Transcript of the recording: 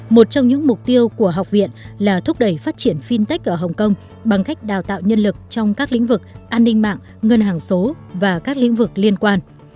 một trong những mục tiêu của học viện là thúc đẩy phát triển fintech ở hồng kông bằng cách đào tạo nhân lực trong các lĩnh vực an ninh mạng ngân hàng số và các lĩnh vực liên quan